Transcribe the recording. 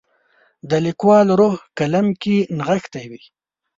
د لیکوال روح قلم کې نغښتی وي.